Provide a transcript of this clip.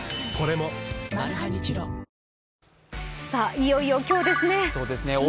いよいよ今日ですね。